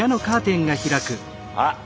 あっ